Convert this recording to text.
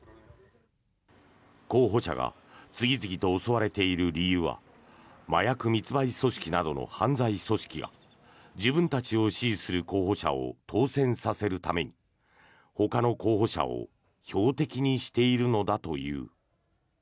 候補者が次々と襲われている理由は麻薬密売組織などの犯罪組織が自分たちを支持する候補者を当選させるためにほかの候補者を標的にしているのだという。